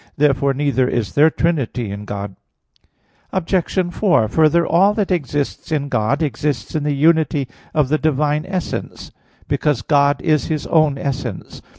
Therefore neither is there trinity in God. Obj. 4: Further, all that exists in God exists in the unity of the divine essence; because God is His own essence.